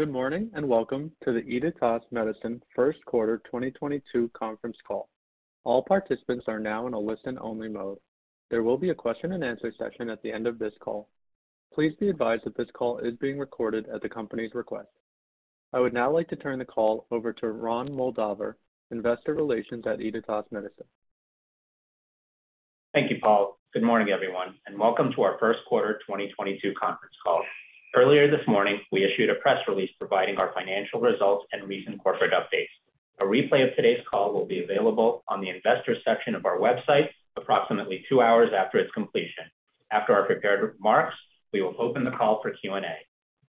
Good morning, and welcome to the Editas Medicine First Quarter 2022 Conference Call. All participants are now in a listen only mode. There will be a question-and-answer session at the end of this call. Please be advised that this call is being recorded at the company's request. I would now like to turn the call over to Ron Moldaver, Investor Relations at Editas Medicine. Thank you, Paul. Good morning, everyone, and welcome to our First Quarter 2022 Conference Call. Earlier this morning, we issued a press release providing our financial results and recent corporate updates. A replay of today's call will be available on the investors section of our website approximately 2-hours after its completion. After our prepared remarks, we will open the call for Q&A.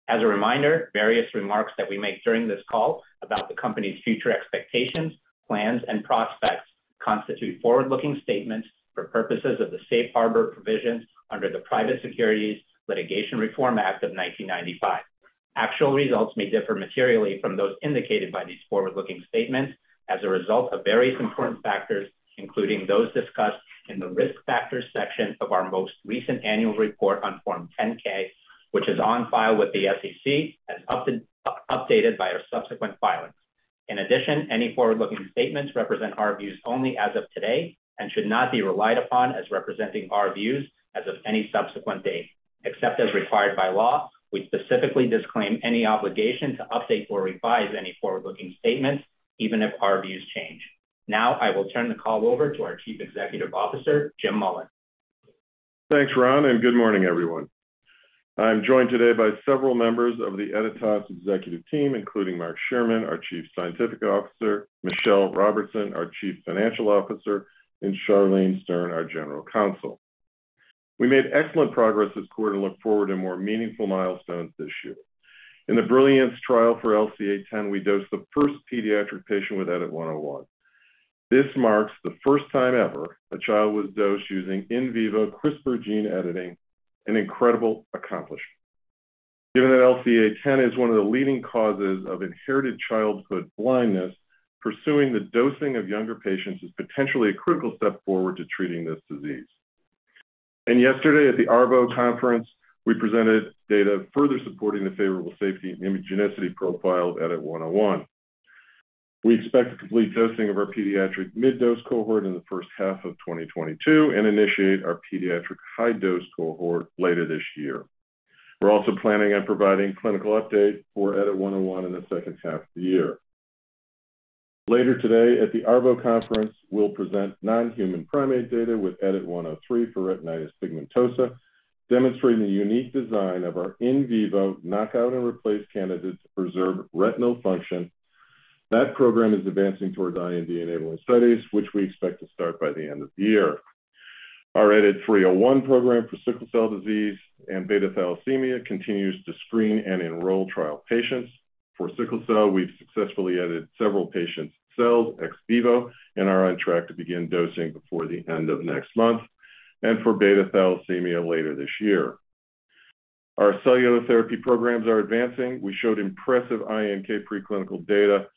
As a reminder, various remarks that we make during this call about the company's future expectations, plans, and prospects constitute forward-looking statements for purposes of the Safe Harbor Provisions under the Private Securities Litigation Reform Act of 1995. Actual results may differ materially from those indicated by these forward-looking statements as a result of various important factors, including those discussed in the Risk Factors section of our most recent annual report on Form 10-K, which is on file with the SEC and updated by our subsequent filings. In addition, any forward-looking statements represent our views only as of today and should not be relied upon as representing our views as of any subsequent date. Except as required by law, we specifically disclaim any obligation to update or revise any forward-looking statements, even if our views change. Now I will turn the call over to our Chief Executive Officer, Jim Mullen. Thanks, Ron, and good morning, everyone. I'm joined today by several members of the Editas executive team, including Mark Shearman, our Chief Scientific Officer, Michelle Robertson, our Chief Financial Officer, and Charlene Stern, our General Counsel. We made excellent progress this quarter and look forward to more meaningful milestones this year. In the BRILLIANCE Trial for LCA10, we dosed the first pediatric patient with EDIT-101. This marks the first time ever a child was dosed using in vivo CRISPR Gene Editing, an incredible accomplishment. Given that LCA10 is one of the leading causes of inherited childhood blindness, pursuing the dosing of younger patients is potentially a critical step forward to treating this disease. Yesterday at the ARVO Conference, we presented data further supporting the favorable safety and immunogenicity profile of EDIT-101. We expect to complete dosing of our pediatric mid-dose cohort in the first half of 2022 and initiate our pediatric high-dose cohort later this year. We're also planning on providing clinical update for EDIT-101 in the second half of the year. Later today at the ARVO Conference, we'll present non-human primate data with EDIT-103 for Retinitis Pigmentosa, demonstrating the unique design of our in vivo knockout and replace candidate to preserve retinal function. That program is advancing toward IND-Enabling Studies, which we expect to start by the end of the year. Our EDIT-301 program for Sickle Cell Disease and Beta-Thalassemia continues to screen and enroll trial patients. For sickle cell, we've successfully edited several patients' cells ex vivo and are on track to begin dosing before the end of next month, and for Beta-Thalassemia later this year. Our cellular therapy programs are advancing. We showed impressive iNK Preclinical Data.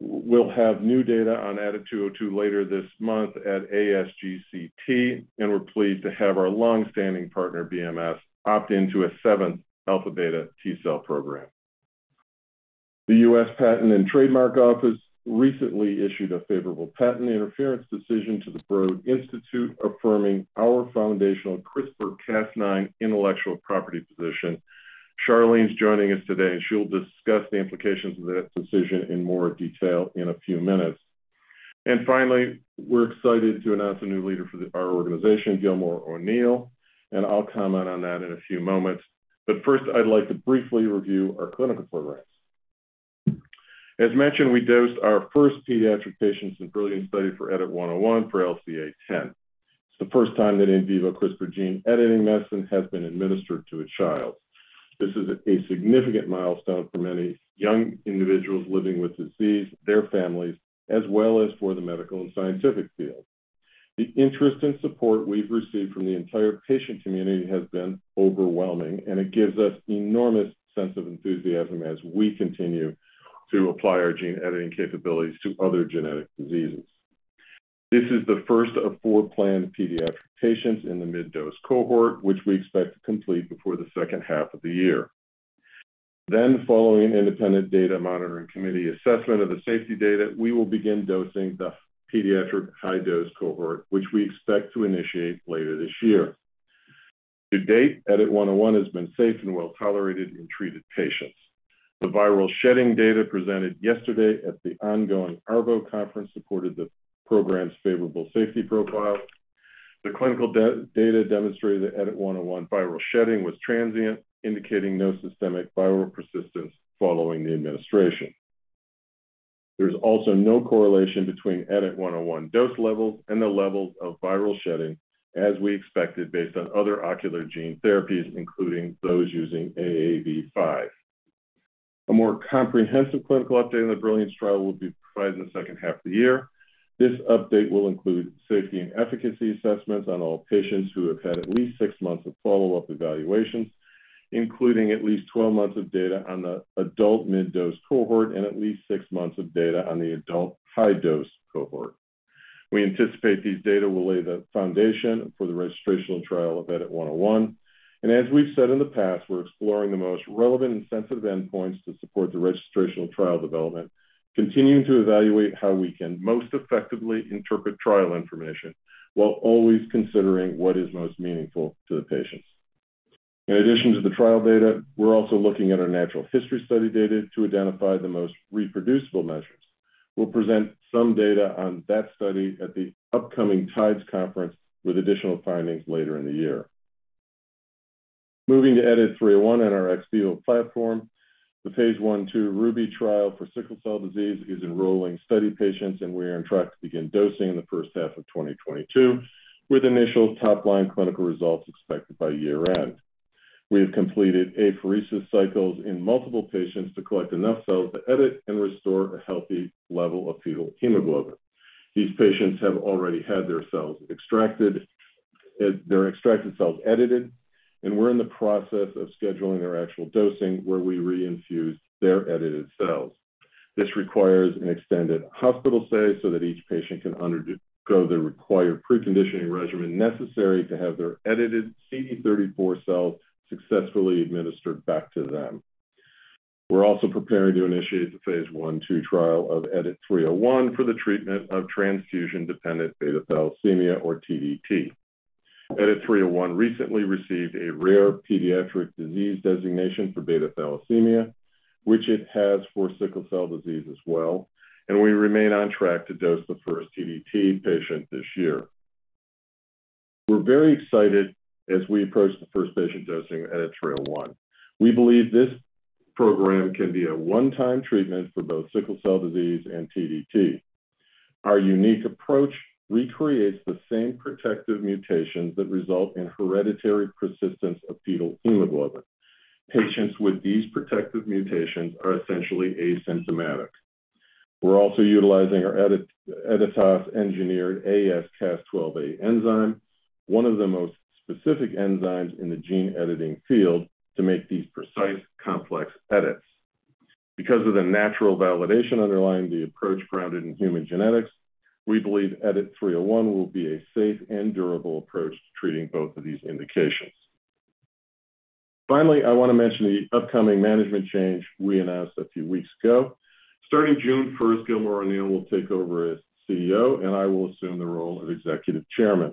We'll have new data on EDIT-202 later this month at ASGCT, and we're pleased to have our long-standing partner, BMS, opt in to a seventh Alpha/Beta T-cell Program. The U.S. Patent and Trademark Office recently issued a favorable patent interference decision to the Broad Institute, affirming our foundational CRISPR-Cas9 Intellectual Property Position. Charlene's joining us today, and she'll discuss the implications of that decision in more detail in a few minutes. Finally, we're excited to announce a new leader for our organization, Gilmore O'Neill, and I'll comment on that in a few moments. First, I'd like to briefly review our clinical programs. As mentioned, we dosed our first pediatric patients in BRILLIANCE Study for EDIT-101 for LCA10. It's the first time that in vivo CRISPR Gene Editing medicine has been administered to a child. This is a significant milestone for many young individuals living with disease, their families, as well as for the medical and scientific field. The interest and support we've received from the entire patient community has been overwhelming, and it gives us enormous sense of enthusiasm as we continue to apply our gene editing capabilities to other genetic diseases. This is the first of four planned pediatric patients in the mid-dose cohort, which we expect to complete before the second half of the year. Following independent data monitoring committee assessment of the safety data, we will begin dosing the pediatric high-dose cohort, which we expect to initiate later this year. To date, EDIT-101 has been safe and well-tolerated in treated patients. The Viral Shedding Data presented yesterday at the ongoing ARVO conference supported the program's favorable safety profile. The clinical data demonstrated that EDIT-101 viral shedding was transient, indicating no systemic viral persistence following the administration. There's also no correlation between EDIT-101 dose levels and the levels of Viral Shedding, as we expected based on other ocular gene therapies, including those using AAV5. A more comprehensive clinical update on the BRILLIANCE Trial will be provided in the second half of the year. This update will include safety and efficacy assessments on all patients who have had at least six months of follow-up evaluations, including at least 12 months of data on the adult mid-dose cohort and at least six months of data on the adult high-dose cohort. We anticipate these data will lay the foundation for the registrational trial of EDIT-101. As we've said in the past, we're exploring the most relevant and sensitive endpoints to support the registrational trial development, continuing to evaluate how we can most effectively interpret trial information while always considering what is most meaningful to the patients. In addition to the trial data, we're also looking at our natural history study data to identify the most reproducible measures. We'll present some data on that study at the upcoming TIDES Conference, with additional findings later in the year. Moving to EDIT-301 and our ex vivo platform. The phase I/II RUBY Trial for sickle cell disease is enrolling study patients, and we are on track to begin dosing in the first half of 2022, with initial top-line clinical results expected by year-end. We have completed Apheresis Cycles in multiple patients to collect enough cells to edit and restore a healthy level of Fetal Hemoglobin. These patients have already had their cells extracted, their extracted cells edited, and we're in the process of scheduling their actual dosing where we reinfuse their edited cells. This requires an extended hospital stay so that each patient can undergo the required preconditioning regimen necessary to have their edited CD34 Cells successfully administered back to them. We're also preparing to initiate the phase I/II trial of EDIT-301 for the treatment of Transfusion-Dependent Beta Thalassemia, or TDT. EDIT-301 recently received a rare pediatric disease designation for Beta Thalassemia, which it has for Sickle Cell Disease as well, and we remain on track to dose the first TDT patient this year. We're very excited as we approach the first patient dosing of EDIT-301. We believe this program can be a one-time treatment for both Sickle Cell Disease and TDT. Our unique approach recreates the same protective mutations that result in hereditary persistence of Fetal Hemoglobin. Patients with these protective mutations are essentially asymptomatic. We're also utilizing our Editas engineered AsCas12a Enzyme, one of the most specific enzymes in the gene editing field, to make these precise complex edits. Because of the natural validation underlying the approach grounded in human genetics, we believe EDIT-301 will be a safe and durable approach to treating both of these indications. Finally, I wanna mention the upcoming management change we announced a few weeks ago. Starting June 1, Gilmore O'Neill will take over as CEO, and I will assume the role of executive chairman.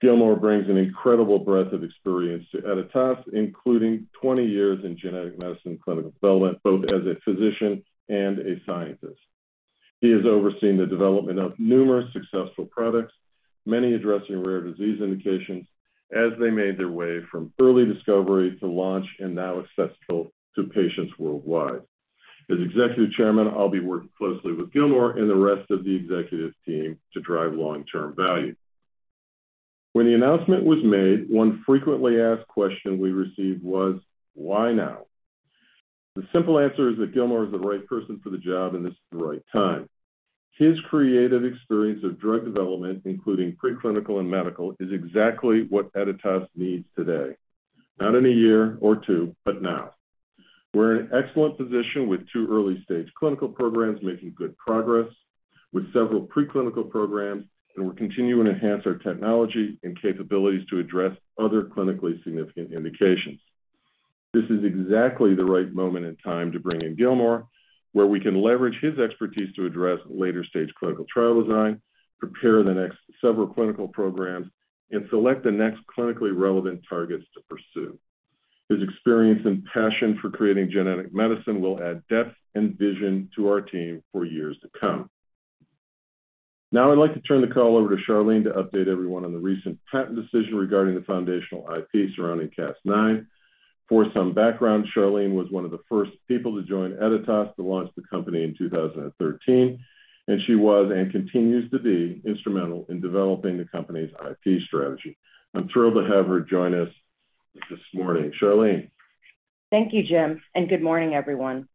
Gilmore brings an incredible breadth of experience to Editas, including 20 years in genetic medicine clinical development, both as a physician and a scientist. He has overseen the development of numerous successful products, many addressing rare disease indications as they made their way from early discovery to launch and now accessible to patients worldwide. As executive chairman, I'll be working closely with Gilmore and the rest of the executive team to drive long-term value. When the announcement was made, one frequently asked question we received was, "Why now?" The simple answer is that Gilmore is the right person for the job, and this is the right time. His creative experience of drug development, including preclinical and medical, is exactly what Editas needs today. Not in a year or two, but now. We're in an excellent position with two early-stage clinical programs making good progress, with several preclinical programs, and we're continuing to enhance our technology and capabilities to address other clinically significant indications. This is exactly the right moment in time to bring in Gilmore, where we can leverage his expertise to address later-stage clinical trial design, prepare the next several clinical programs, and select the next clinically relevant targets to pursue. His experience and passion for creating genetic medicine will add depth and vision to our team for years to come. Now I'd like to turn the call over to Charlene to update everyone on the recent patent decision regarding the foundational IP surrounding Cas9. For some background, Charlene was one of the first people to join Editas to launch the company in 2013, and she was, and continues to be, instrumental in developing the company's IP strategy. I'm thrilled to have her join us this morning. Charlene. Thank you, Jim, and good morning, everyone.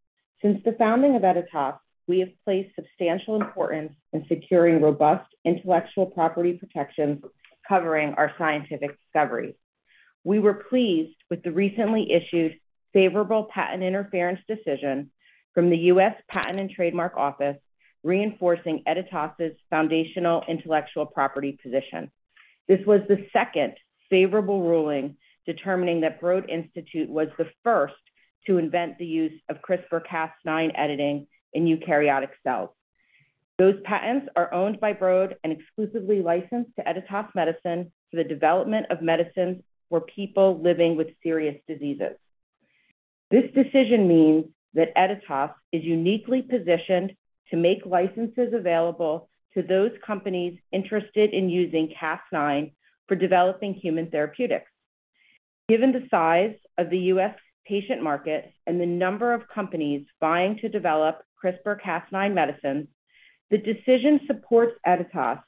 Since the founding of Editas, we have placed substantial importance in securing robust intellectual property protections covering our scientific discoveries. We were pleased with the recently issued favorable patent interference decision from the U.S. Patent and Trademark Office, reinforcing Editas' Foundational Intellectual Property Position. This was the second favorable ruling determining that Broad Institute was the first to invent the use of CRISPR-Cas9 editing in Eukaryotic Cells. Those patents are owned by Broad and exclusively licensed to Editas Medicine for the development of medicines for people living with serious diseases. This decision means that Editas is uniquely positioned to make licenses available to those companies interested in using Cas9 for developing human therapeutics. Given the size of the U.S. patient market and the number of companies vying to develop CRISPR-Cas9 medicines, the decision supports Editas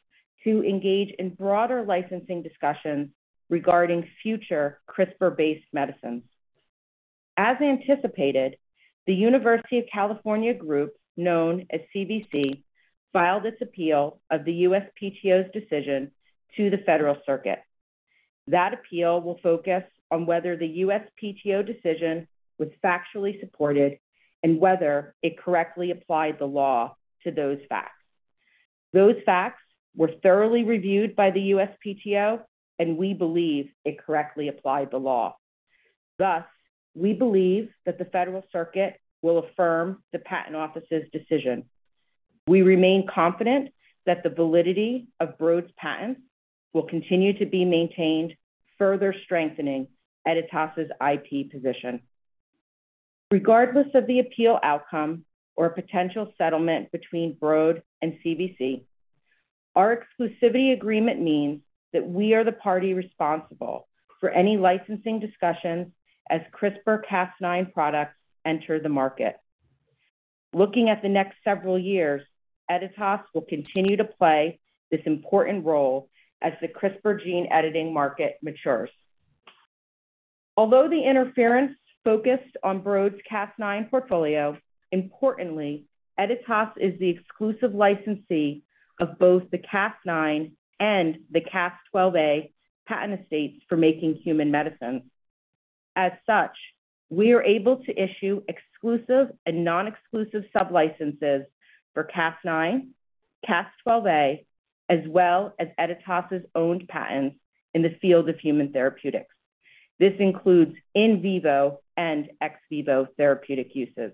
to engage in broader licensing discussions regarding future CRISPR-based medicines. As anticipated, the University of California group, known as CVC, filed its appeal of the USPTO's decision to the Federal Circuit. That appeal will focus on whether the USPTO decision was factually supported and whether it correctly applied the law to those facts. Those facts were thoroughly reviewed by the USPTO, and we believe it correctly applied the law. Thus, we believe that the Federal Circuit will affirm the Patent Office's decision. We remain confident that the validity of Broad's patents will continue to be maintained, further strengthening Editas' IP position. Regardless of the appeal outcome or potential settlement between Broad and CVC, our exclusivity agreement means that we are the party responsible for any licensing discussions as CRISPR-Cas9 products enter the market. Looking at the next several years, Editas will continue to play this important role as the CRISPR Gene Editing market matures. Although the interference focused on Broad's Cas9 portfolio, importantly, Editas is the exclusive licensee of both the Cas9 and the Cas12a patent estates for making human medicines. As such, we are able to issue exclusive and non-exclusive sublicenses for Cas9, Cas12a, as well as Editas' owned patents in the field of human therapeutics. This includes in vivo and ex vivo therapeutic uses.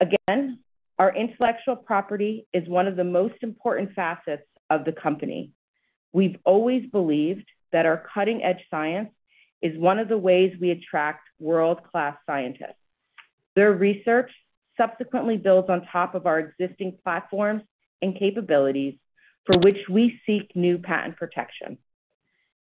Again, our intellectual property is one of the most important facets of the company. We've always believed that our cutting-edge science is one of the ways we attract world-class scientists. Their research subsequently builds on top of our existing platforms and capabilities for which we seek new patent protection.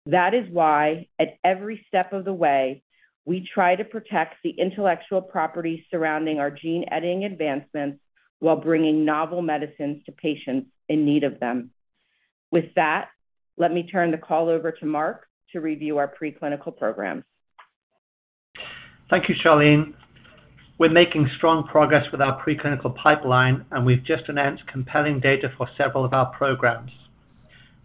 That is why at every step of the way, we try to protect the intellectual property surrounding our Gene Editing advancements while bringing novel medicines to patients in need of them. With that, let me turn the call over to Mark to review our preclinical programs. Thank you, Charlene. We're making strong progress with our preclinical pipeline, and we've just announced compelling data for several of our programs.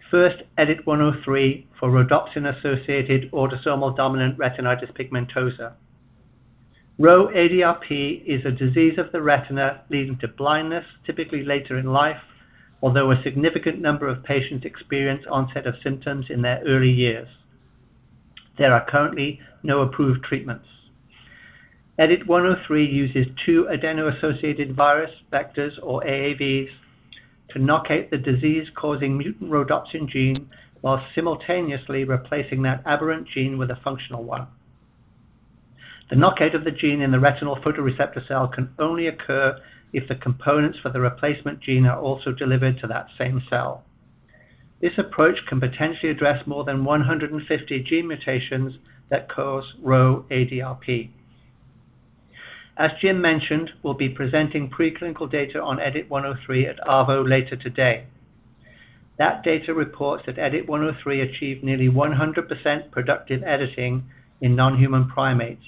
First, EDIT-103 for Rhodopsin-Associated Autosomal Dominant Retinitis Pigmentosa. RHO-ADRP is a disease of the retina leading to blindness, typically later in life, although a significant number of patients experience onset of symptoms in their early years. There are currently no approved treatments. EDIT-103 uses two Adeno-Associated Virus Vectors or AAVs to knock out the disease-causing Mutant Rhodopsin Gene while simultaneously replacing that Aberrant Gene with a functional one. The knockout of the gene in the Retinal Photoreceptor Cell can only occur if the components for the replacement gene are also delivered to that same cell. This approach can potentially address more than 150 gene mutations that cause RHO-ADRP. As Jim mentioned, we'll be presenting preclinical data on EDIT-103 at ARVO later today. That data reports that EDIT-103 achieved nearly 100% productive editing in non-human primates,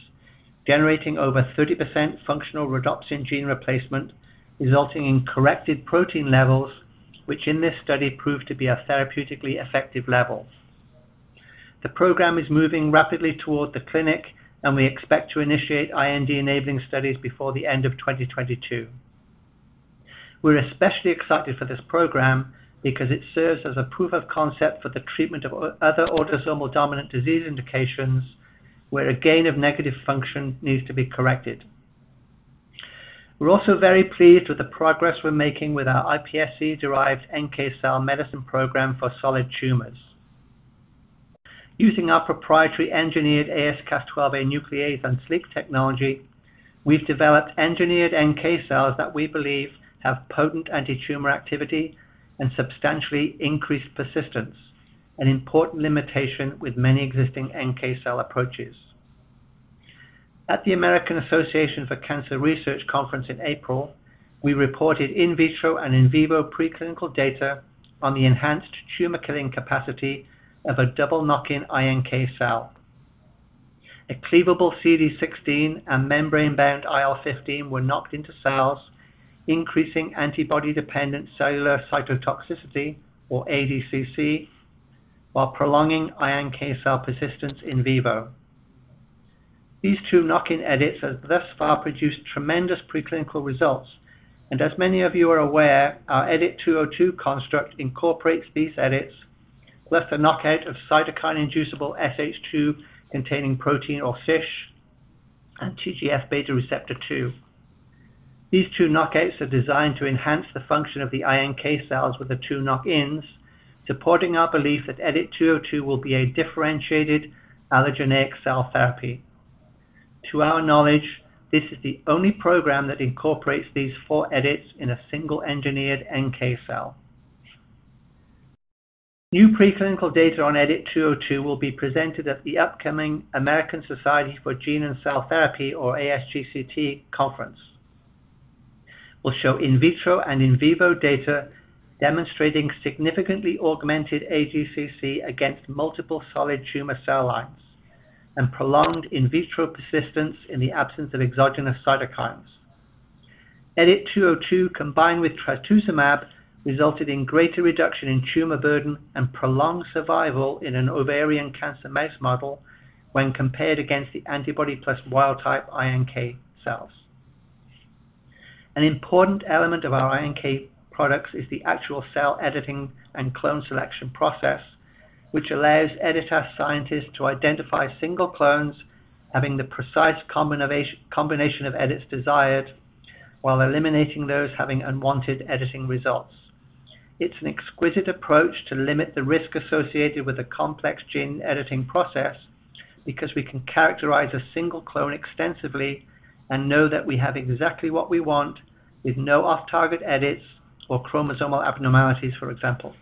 generating over 30% functional Rhodopsin Gene Replacement, resulting in corrected protein levels, which in this study proved to be a therapeutically effective level. The program is moving rapidly toward the clinic, and we expect to initiate IND-Enabling Studies before the end of 2022. We're especially excited for this program because it serves as a proof of concept for the treatment of other Autosomal Dominant Disease Indications where a gain of negative function needs to be corrected. We're also very pleased with the progress we're making with our iPSC-Derived NK Cell Medicine Program for solid tumors. Using our proprietary engineered AsCas12a Nuclease and SLEEK Technology, we've developed engineered NK Cells that we believe have potent antitumor activity and substantially increased persistence, an important limitation with many existing NK Cell approaches. At the American Association for Cancer Research conference in April, we reported in vitro and in vivo preclinical data on the enhanced tumor-killing capacity of a double knock-in iNK Cell. A Cleavable CD16 and Membrane-Bound IL-15 were knocked into cells, increasing Antibody-Dependent Cellular Cytotoxicity, or ADCC, while prolonging iNK Cell persistence in vivo. These two knock-in edits have thus far produced tremendous preclinical results, and as many of you are aware, our EDIT-202 construct incorporates these edits, plus a knockout of Cytokine-Inducible SH2-Containing Protein, or CISH, and TGF Beta Receptor 2. These two knockouts are designed to enhance the function of the iNK Cells with the two knock-ins, supporting our belief that EDIT-202 will be a Differentiated Allogeneic Cell Therapy. To our knowledge, this is the only program that incorporates these four edits in a single engineered NK Cell. New preclinical data on EDIT-202 will be presented at the upcoming American Society of Gene & Cell Therapy, or ASGCT, conference. It will show in vitro and in vivo data demonstrating significantly augmented ADCC against multiple solid tumor cell lines and prolonged in vitro persistence in the absence of Exogenous Cytokines. EDIT-202 combined with Trastuzumab resulted in greater reduction in tumor burden and prolonged survival in an ovarian cancer mouse model when compared against the antibody plus wild-type iNK Cells. An important element of our iNK products is the actual cell editing and clone selection process, which allows Editas scientists to identify single clones having the precise combination of edits desired, while eliminating those having unwanted editing results. It's an exquisite approach to limit the risk associated with a complex Gene Editing process, because we can characterize a single clone extensively and know that we have exactly what we want, with no off-target edits or chromosomal abnormalities, for example.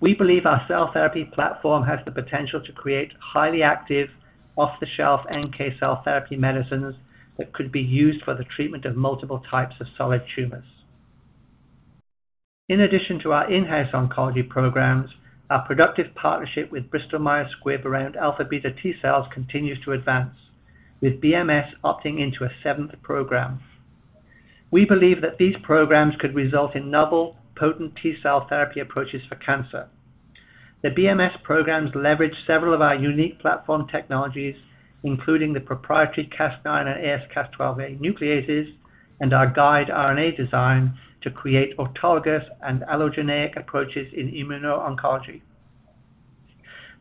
We believe our Cell Therapy Platform has the potential to create highly active, off-the-shelf NK Cell Therapy Medicines that could be used for the treatment of multiple types of solid tumors. In addition to our in-house oncology programs, our productive partnership with Bristol Myers Squibb around Alpha Beta T-Cells continues to advance, with BMS opting into a seventh program. We believe that these programs could result in novel, Potent T-Cell Therapy approaches for cancer. The BMS programs leverage several of our unique platform technologies, including the proprietary Cas9 and AsCas12a Nucleases and our guide RNA design to create autologous and allogeneic approaches in immuno-oncology.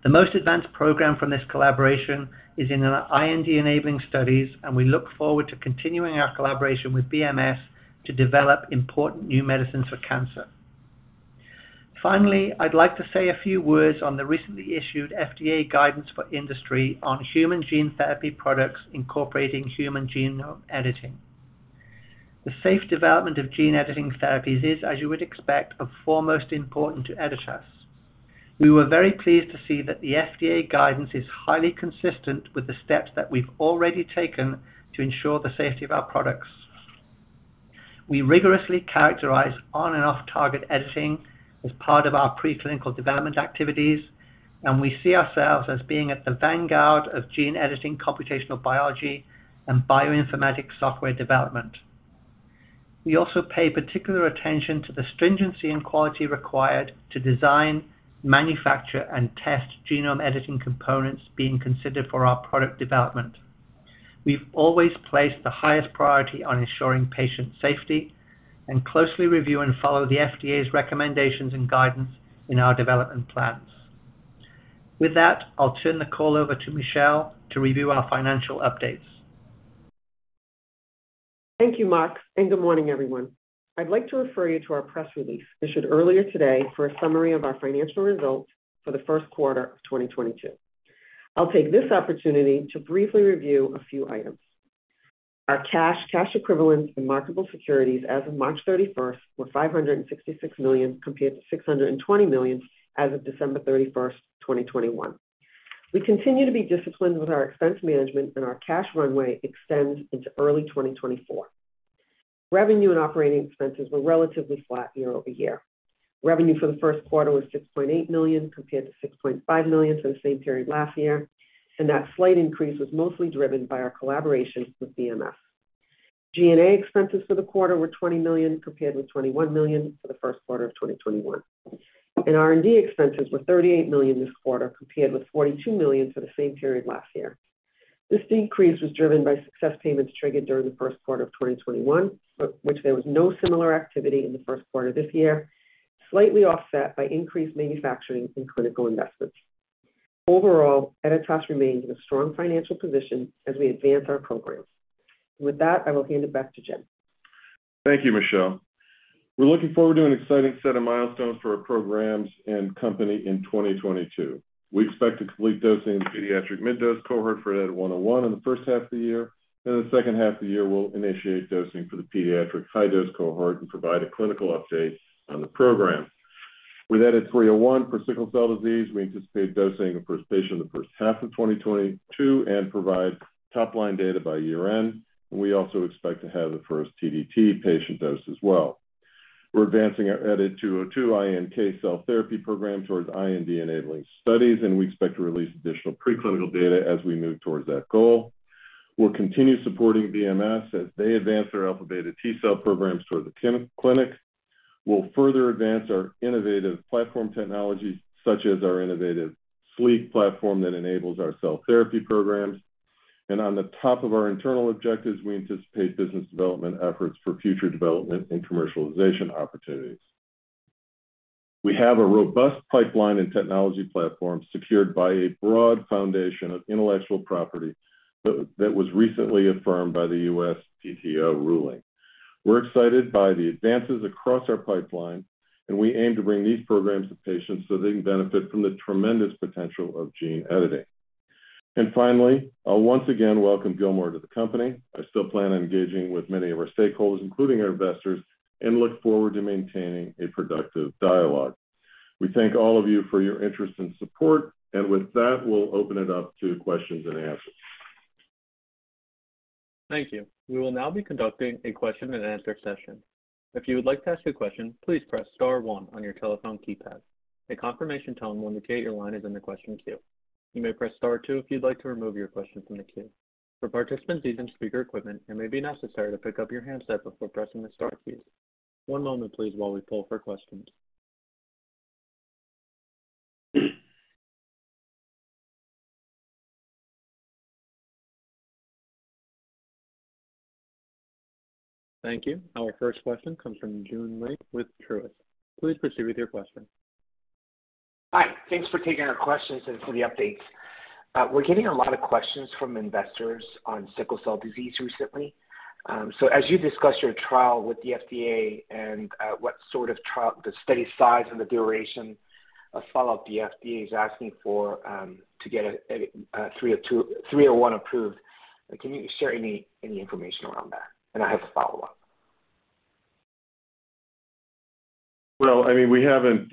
The most advanced program from this collaboration is in our IND-Enabling Studies, and we look forward to continuing our collaboration with BMS to develop important new medicines for cancer. Finally, I'd like to say a few words on the recently issued FDA guidance for industry on Human Gene Therapy Products incorporating Human Genome Editing. The safe development of Gene Editing therapies is, as you would expect, of foremost importance to Editas. We were very pleased to see that the FDA guidance is highly consistent with the steps that we've already taken to ensure the safety of our products. We rigorously characterize on and off-target editing as part of our preclinical development activities, and we see ourselves as being at the vanguard of Gene Editing, computational biology, and bioinformatic software development. We also pay particular attention to the stringency and quality required to design, manufacture, and test Genome Editing Components being considered for our product development. We've always placed the highest priority on ensuring patient safety and closely review and follow the FDA's recommendations and guidance in our development plans. With that, I'll turn the call over to Michelle to review our financial updates. Thank you, Mark, and good morning, everyone. I'd like to refer you to our press release issued earlier today for a summary of our financial results for the first quarter of 2022. I'll take this opportunity to briefly review a few items. Our cash equivalents, and marketable securities as of March 31 were $566 million, compared to $620 million as of December 31, 2021. We continue to be disciplined with our expense management, and our cash runway extends into early 2024. Revenue and Operating Expenses were relatively flat year-over-year. Revenue for the first quarter was $6.8 million compared to $6.5 million for the same period last year, and that slight increase was mostly driven by our collaboration with BMS. G&A expenses for the quarter were $20 million, compared with $21 million for the first quarter of 2021. R&D expenses were $38 million this quarter, compared with $42 million for the same period last year. This decrease was driven by success payments triggered during the first quarter of 2021, but which there was no similar activity in the first quarter this year, slightly offset by increased manufacturing and clinical investments. Overall, Editas remains in a strong financial position as we advance our programs. With that, I will hand it back to Jim. Thank you, Michelle. We're looking forward to an exciting set of milestones for our programs and company in 2022. We expect to complete dosing the pediatric mid-dose cohort for EDIT-101 in the first half of the year. In the second half of the year, we'll initiate dosing for the pediatric high-dose cohort and provide a clinical update on the program. With EDIT-301 for Sickle Cell Disease, we anticipate dosing the first patient in the first half of 2022 and provide top-line data by year-end. We also expect to have the first TDT patient dose as well. We're advancing our EDIT-202 INK Cell Therapy Program towards IND-Enabling Studies, and we expect to release additional preclinical data as we move towards that goal. We'll continue supporting BMS as they advance their Alpha Beta T-Cell Programs toward the clinic. We'll further advance our innovative platform technologies such as our innovative SLEEK Platform that enables our cell therapy programs. On the top of our internal objectives, we anticipate business development efforts for future development and commercialization opportunities. We have a robust pipeline and technology platform secured by a broad foundation of intellectual property that was recently affirmed by the U.S. PTO ruling. We're excited by the advances across our pipeline, and we aim to bring these programs to patients so they can benefit from the tremendous potential of Gene Editing. Finally, I'll once again welcome Gilmore to the company. I still plan on engaging with many of our stakeholders, including our investors, and look forward to maintaining a productive dialogue. We thank all of you for your interest and support. With that, we'll open it up to questions and answers. Thank you. We will now be conducting a question and answer session. If you would like to ask a question, please press star one on your telephone keypad. A confirmation tone will indicate your line is in the question queue. You may press star two if you'd like to remove your question from the queue. For participants using speaker equipment, it may be necessary to pick up your handset before pressing the star key. One moment please while we poll for questions. Thank you. Our first question comes from Joon Lee with Truist. Please proceed with your question. Hi. Thanks for taking our questions and for the updates. We're getting a lot of questions from investors on Sickle Cell Disease recently. As you discuss your trial with the FDA and what sort of trial, the study size and the duration of follow-up the FDA is asking for, to get a 301 approved, can you share any information around that? I have a follow-up. Well, I mean, we haven't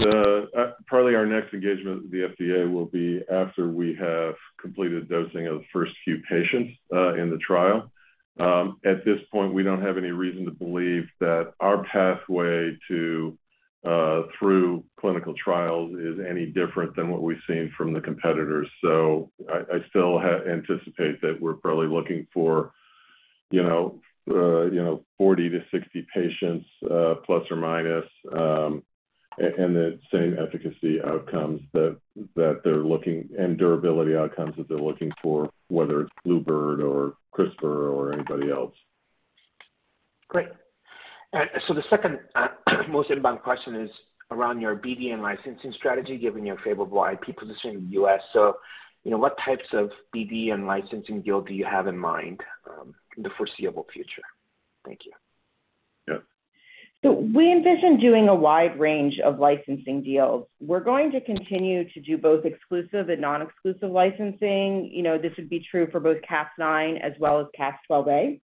probably our next engagement with the FDA will be after we have completed dosing of the first few patients in the trial. At this point, we don't have any reason to believe that our pathway to through clinical trials is any different than what we've seen from the competitors. I still anticipate that we're probably looking for, you know, 40-60 patients± and the same efficacy outcomes that they're looking and durability outcomes that they're looking for, whether it's bluebird bio or CRISPR Therapeutics or anybody else. Great. The second most inbound question is around your BD and licensing strategy, given your favorable IP position in the U.S. You know, what types of BD and licensing deal do you have in mind in the foreseeable future? Thank you. Yeah. We envision doing a wide range of licensing deals. We're going to continue to do both exclusive and non-exclusive licensing. You know, this would be true for both Cas9 as well as Cas12a.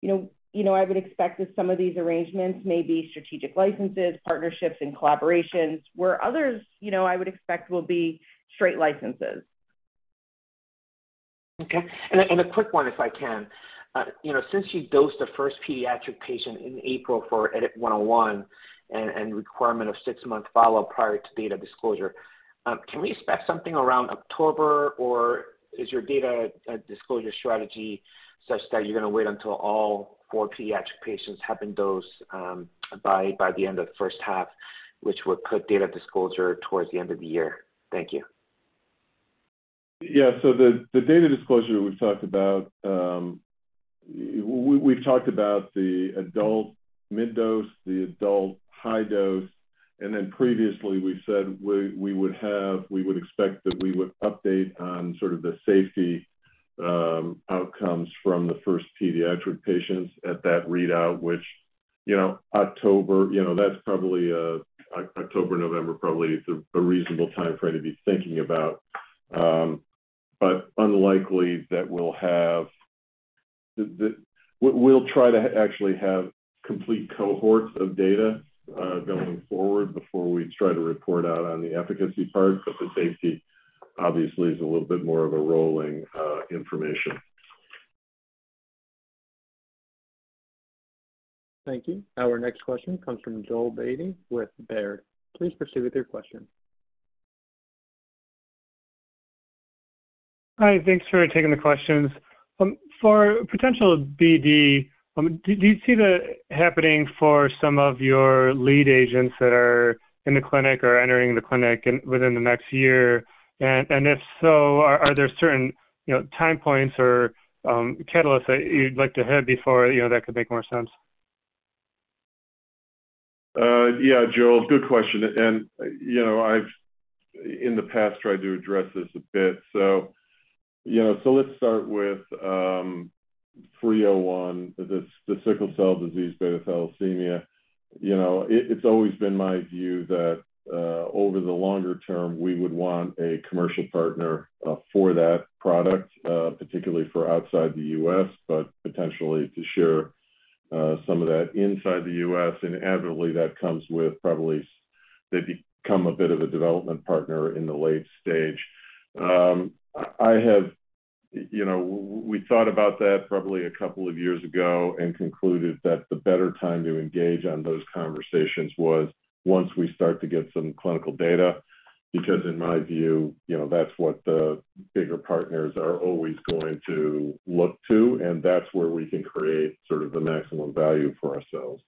You know, I would expect that some of these arrangements may be strategic licenses, partnerships, and collaborations, where others, you know, I would expect will be straight licenses. Okay. A quick one, if I can. You know, since you dosed the first pediatric patient in April for EDIT-101 and requirement of six-month follow-up prior to data disclosure, can we expect something around October? Or is your data disclosure strategy such that you're gonna wait until all four pediatric patients have been dosed by the end of the first half, which would put data disclosure towards the end of the year? Thank you. Yeah. The data disclosure we've talked about. We've talked about the adult mid dose, the adult high dose, and then previously we said we would expect that we would update on sort of the safety outcomes from the first pediatric patients at that readout, which you know October you know that's probably October November probably is a reasonable timeframe to be thinking about. Unlikely that we'll have. We will try to actually have complete cohorts of data going forward before we try to report out on the efficacy part, but the safety obviously is a little bit more of a rolling information. Thank you. Our next question comes from Joel Beatty with Baird. Please proceed with your question. Hi. Thanks for taking the questions. For potential BD, do you see that happening for some of your lead agents that are in the clinic or entering the clinic within the next year? If so, are there certain, you know, time points or catalysts that you'd like to hit before, you know, that could make more sense? Yeah, Joel, good question. You know, I've in the past tried to address this a bit. You know, so let's start with EDIT-301, the Sickle Cell Disease, Beta Thalassemia. You know, it's always been my view that, over the longer term, we would want a commercial partner, for that product, particularly for outside the U.S., but potentially to share, some of that inside the U.S. Inevitably that comes with probably they become a bit of a development partner in the late stage. I have, you know, we thought about that probably a couple of years ago and concluded that the better time to engage on those conversations was once we start to get some clinical data, because in my view, you know, that's what the bigger partners are always going to look to, and that's where we can create sort of the maximum value for ourselves.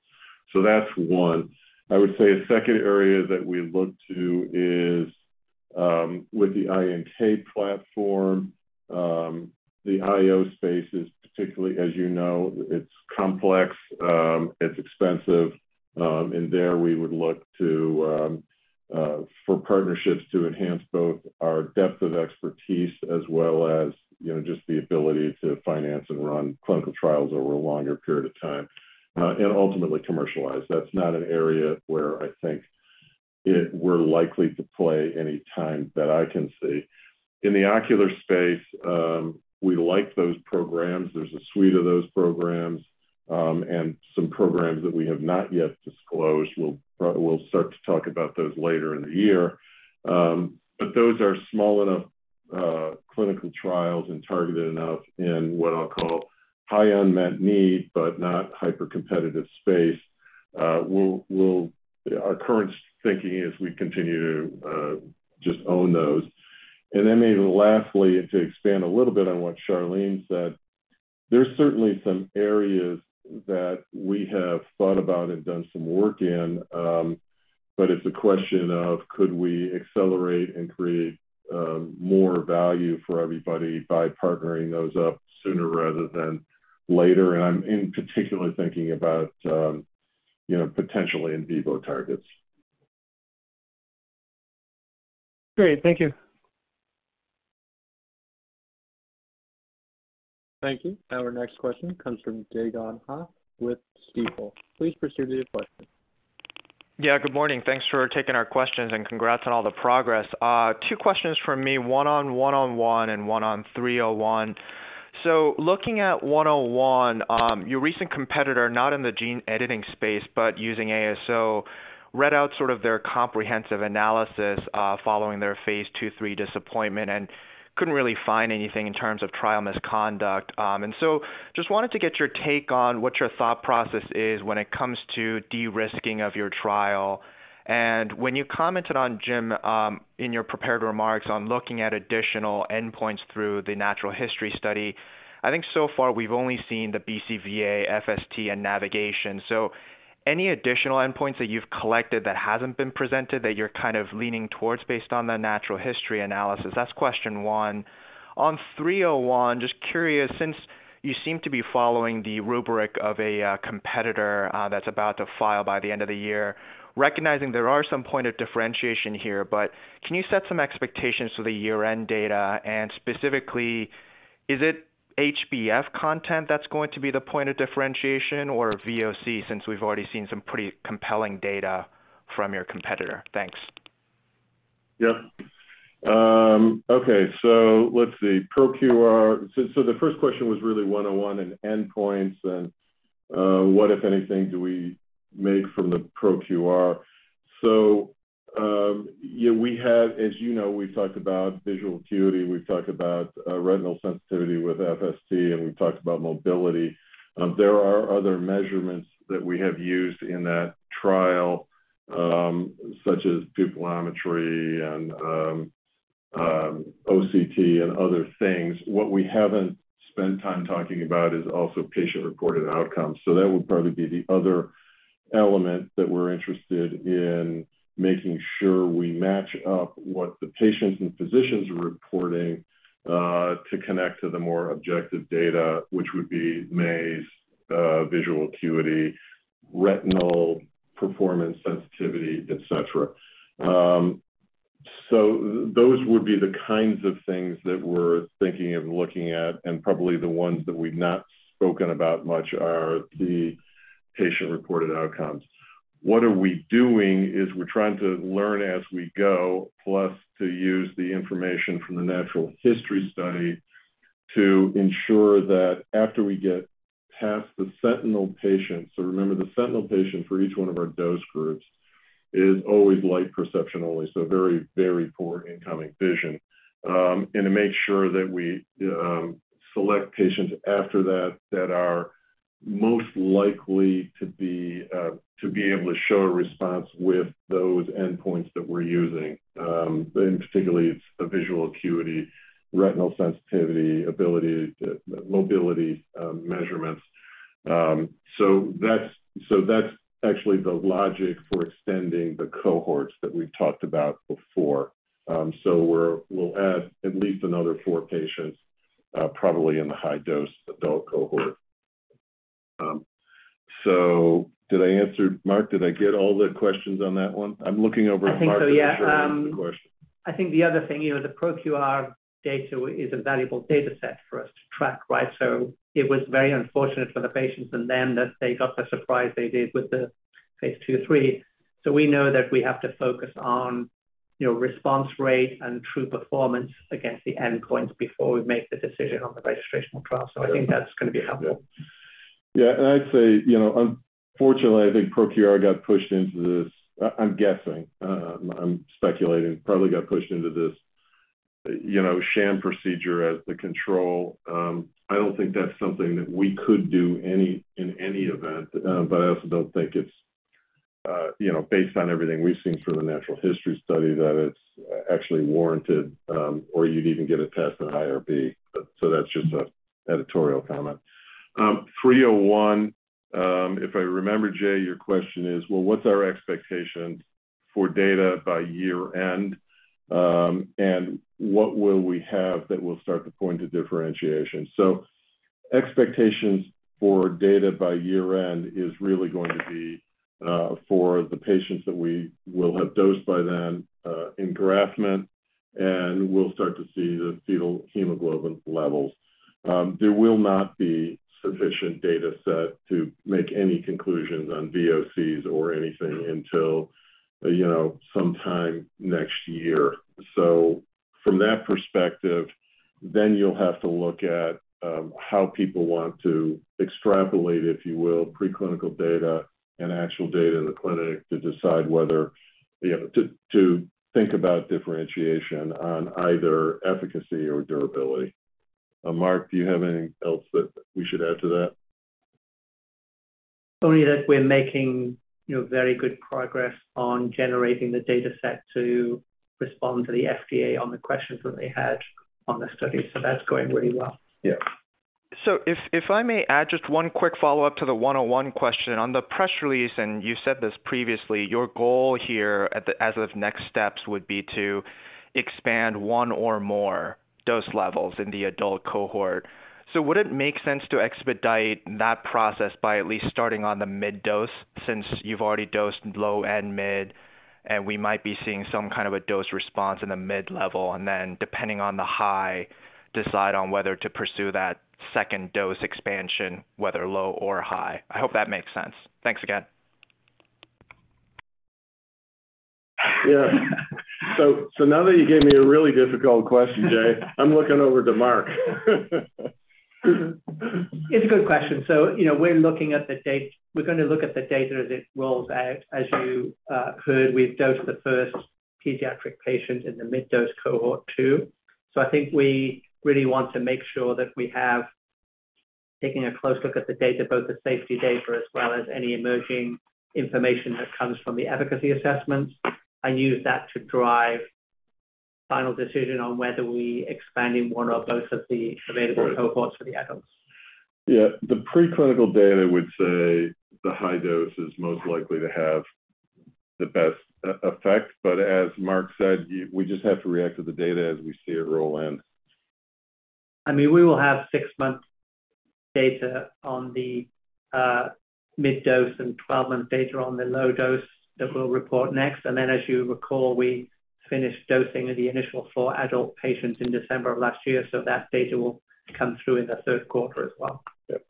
That's one. I would say a second area that we look to is, with the iNK Platform, the IO space is particularly, as you know, it's complex, it's expensive, and there we would look to, for partnerships to enhance both our depth of expertise as well as, you know, just the ability to finance and run clinical trials over a longer period of time, and ultimately commercialize. That's not an area where I think we're likely to play any time that I can see. In the ocular space, we like those programs. There's a suite of those programs, and some programs that we have not yet disclosed. We'll start to talk about those later in the year. But those are small enough clinical trials and targeted enough in what I'll call high unmet need, but not hyper-competitive space. Our current thinking is we continue to just own those. Then maybe lastly, and to expand a little bit on what Charlene said, there's certainly some areas that we have thought about and done some work in, but it's a question of could we accelerate and create more value for everybody by partnering those up sooner rather than later. I'm in particular thinking about, you know, potentially in vivo targets. Great. Thank you. Thank you. Our next question comes from Dae Gon Ha with Stifel. Please proceed with your question. Yeah, good morning. Thanks for taking our questions, and congrats on all the progress. Two questions from me, one on EDIT-101 and one on EDIT-301. Looking at EDIT-101, your recent competitor, not in the Gene Editing space, but using ASO, read out sort of their comprehensive analysis, following their phase II-III disappointment and couldn't really find anything in terms of trial misconduct. Just wanted to get your take on what your thought process is when it comes to de-risking of your trial. When you commented on, Jim, in your prepared remarks on looking at additional endpoints through the natural history study, I think so far, we've only seen the BCVA, FST, and navigation. Any additional endpoints that you've collected that hasn't been presented that your kind of leaning towards based on the natural history analysis? That's question one. On EDIT-301, just curious, since you seem to be following the rubric of a competitor that's about to file by the end of the year, recognizing there are some points of differentiation here, but can you set some expectations for the year-end data? Specifically, is it HbF content that's going to be the point of differentiation or VOC, since we've already seen some pretty compelling data from your competitor? Thanks. Okay. Let's see, ProQR. The first question was really EDIT-101 and endpoints and what, if anything, do we make from the ProQR. We have as you know, we've talked about visual acuity, we've talked about retinal sensitivity with FST, and we've talked about mobility. There are other measurements that we have used in that trial, such as Pupillometry and OCT and other things. What we haven't spent time talking about is also patient-reported outcomes. That would probably be the other element that we're interested in making sure we match up what the patients and physicians are reporting to connect to the more objective data, which would be maze, visual acuity, retinal performance sensitivity, et cetera. Those would be the kinds of things that we're thinking of looking at, and probably the ones that we've not spoken about much are the patient-reported outcomes. What are we doing is we're trying to learn as we go, plus to use the information from the natural history study to ensure that after we get past the sentinel patients. Remember, the sentinel patient for each one of our dose groups is always light perception only, so very, very poor incoming vision. And to make sure that we select patients after that are most likely to be able to show a response with those endpoints that we're using, in particular it's the visual acuity, retinal sensitivity, mobility measurements. That's actually the logic for extending the cohorts that we've talked about before. We'll add at least another four patients, probably in the High-Dose Adult Cohort. Did I answer, Mark, did I get all the questions on that one? I'm looking over at Mark to make sure I answered the question. I think so, yeah. I think the other thing, you know, the ProQR data is a valuable data set for us to track, right? It was very unfortunate for the patients and them that they got the surprise they did with the phase II/III. We know that we have to focus on, you know, response rate and true performance against the endpoints before we make the decision on the registrational trial. I think that's gonna be helpful. Yeah. I'd say, you know, unfortunately, I think ProQR got pushed into this. I'm guessing, I'm speculating, probably got pushed into this, you know, sham procedure as the control. I don't think that's something that we could do anything in any event. I also don't think it's, you know, based on everything we've seen from the natural history study, that it's actually warranted, or you'd even get it past an IRB. That's just an editorial comment. EDIT-301, if I remember, Dae, your question is, well, what's our expectations for data by year-end, and what will we have that will start the point of differentiation? Expectations for data by year-end is really going to be, for the patients that we will have dosed by then, in engraftment, and we'll start to see the Fetal Hemoglobin levels. There will not be sufficient data set to make any conclusions on VOCs or anything until, you know, sometime next year. From that perspective, then you'll have to look at how people want to extrapolate, if you will, preclinical data and actual data in the clinic to decide whether, you know, to think about differentiation on either efficacy or durability. Mark, do you have anything else that we should add to that? Only that we're making, you know, very good progress on generating the dataset to respond to the FDA on the questions that they had on the study. That's going really well. Yeah. If I may add just one quick follow-up to the EDIT-101 question. On the press release, and you said this previously, your goal here as of next steps would be to expand one or more dose levels in the adult cohort. Would it make sense to expedite that process by at least starting on the mid dose since you've already dosed low and mid, and we might be seeing some kind of a dose response in the mid-level, and then depending on the high, decide on whether to pursue that second dose expansion, whether low or high? I hope that makes sense. Thanks again. Yeah. Now that you gave me a really difficult question, Dae, I'm looking over to Mark. It's a good question. You know, we're gonna look at the data as it rolls out. As you heard, we've dosed the first pediatric patient in the mid-dose cohort too. I think we really want to make sure that we have, taking a close look at the data, both the safety data as well as any emerging information that comes from the efficacy assessments, and use that to drive final decision on whether we expand in one or both of the available cohorts for the adults. Yeah. The preclinical data would say the high dose is most likely to have the best effect. As Mark said, we just have to react to the data as we see it roll in. I mean, we will have six-month data on the mid dose and 12-month data on the low dose that we'll report next. As you recall, we finished dosing of the initial four adult patients in December of last year. That data will come through in the third quarter as well. Yep.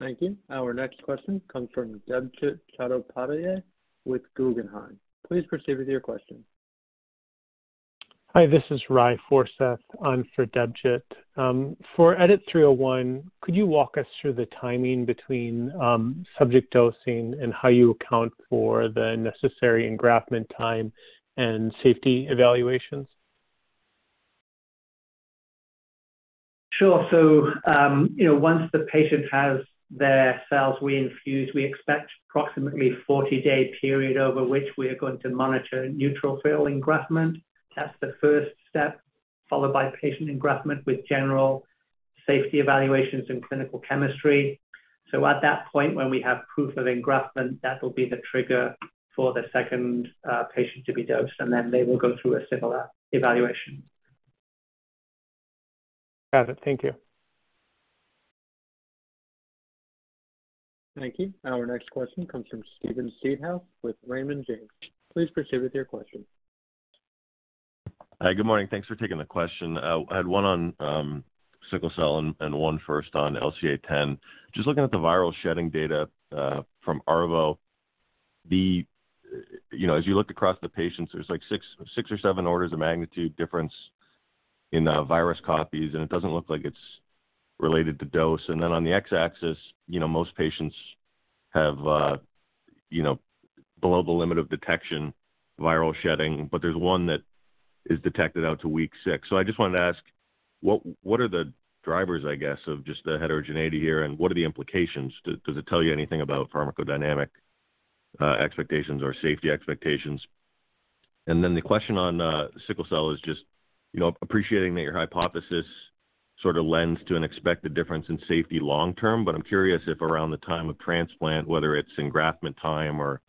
Thank you. Our next question comes from Debjit Chattopadhyay with Guggenheim. Please proceed with your question. Hi, this is Ry Forseth. I'm for Debjit. For EDIT-301, could you walk us through the timing between subject dosing and how you account for the necessary engraftment time and safety evaluations? Sure. Once the patient has their cells reinfused, we expect approximately 40-day period over which we are going to monitor Neutrophil Engraftment. That's the first step, followed by patient engraftment with general safety evaluations and clinical chemistry. At that point, when we have proof of engraftment, that will be the trigger for the second patient to be dosed, and then they will go through a similar evaluation. Got it. Thank you. Thank you. Our next question comes from Steven Seedhouse with Raymond James. Please proceed with your question. Hi. Good morning. Thanks for taking the question. I had one on sickle cell and one first on LCA10. Just looking at the Viral Shedding Data from ARVO, you know, as you look across the patients, there's like six or seven orders of magnitude difference in virus copies, and it doesn't look like it's related to dose. On the x-axis, you know, most patients have, you know, below the limit of detection Viral Shedding. There's one that is detected out to week week. I just wanted to ask, what are the drivers, I guess, of just the heterogeneity here, and what are the implications? Does it tell you anything about Pharmacodynamic expectations or safety expectations? Then the question on Sickle Cell is just, you know, appreciating that your hypothesis sort of lends to an expected difference in safety long term, but I'm curious if around the time of transplant, whether it's engraftment time or,